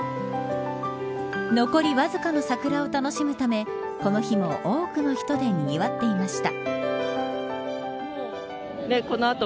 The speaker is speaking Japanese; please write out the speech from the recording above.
残りわずかの桜を楽しむためこの日も多くの人でにぎわっていました。